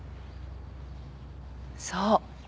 そう。